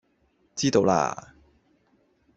知道啦